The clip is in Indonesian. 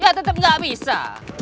ya tetep gak bisa